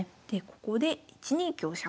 ここで１二香車。